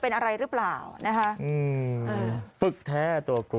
เออทำไมซื้อบื้อ